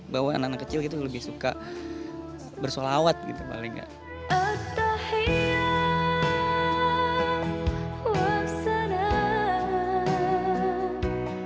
bahwa anak anak kecil itu lebih suka bersolawat gitu paling gak